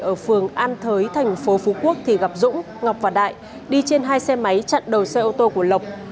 ở phường an thới thành phố phú quốc thì gặp dũng ngọc và đại đi trên hai xe máy chặn đầu xe ô tô của lộc